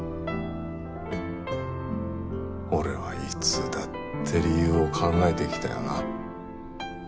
俺はいつだって理由を考えてきたよな。